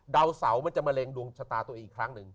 ดาวเสามันจะมะเร็งดวงชะตาตัวเองอีกครั้งหนึ่ง